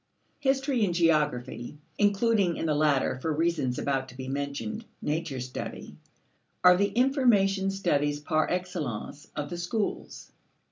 History and geography including in the latter, for reasons about to be mentioned, nature study are the information studies par excellence of the schools.